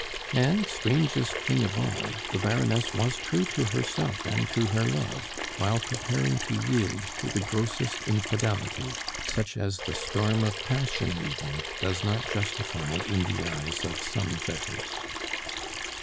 And, strangest thing of all, the Baroness was true to herself and to her love, while preparing to yield to the grossest infidelity, such as the storm of passion even does not justify in the eyes of some judges.